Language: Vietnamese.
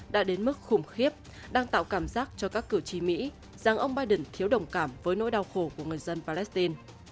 đã đến mức khủng khiếp đang tạo cảm giác cho các cử tri mỹ rằng ông biden thiếu đồng cảm với nỗi đau khổ của người dân palestine